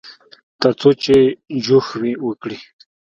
ترڅو چې جوښ وکړي.